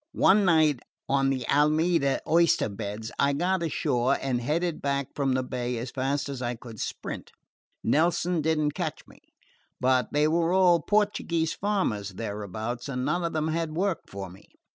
One night on the Alameda oyster beds, I got ashore and headed back from the bay as fast as I could sprint. Nelson did n't catch me. But they were all Portuguese farmers thereabouts, and none of them had work for me.